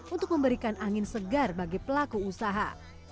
untuk memberikan angin segar bagi pelaku usaha